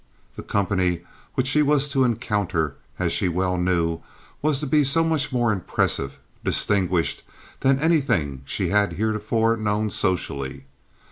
The company which she was to encounter, as she well knew, was to be so much more impressive, distinguished than anything she had heretofore known socially.